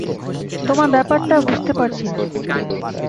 তোমার ব্যাপারটা বুঝতে পারছি না!